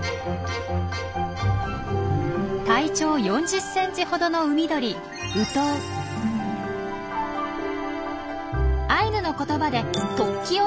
体長４０ｃｍほどの海鳥アイヌの言葉で「突起」を意味します。